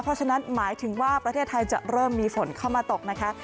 เพราะฉะนั้นหมายถึงว่าประเทศไทยจะเริ่มมีฝนเข้ามาตกนะคะ